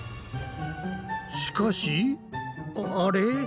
しかしあれ？